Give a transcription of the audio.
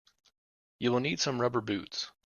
You will need some rubber boots.